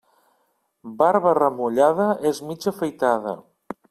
Barba remullada, és mig afaitada.